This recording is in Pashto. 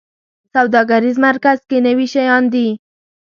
سوداګریز مرکز کې نوي شیان دي